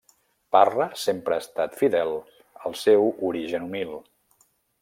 Parra sempre ha estat fidel al seu origen humil.